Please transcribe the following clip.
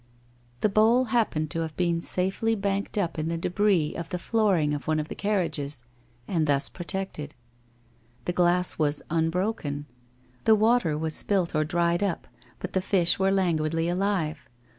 The bowl happened to have been safely banked up in the debris of the flooring of one of the carriages, and thus protected. The glass was unbroken. The water was spilt or dried up, but the fish were languidly alive.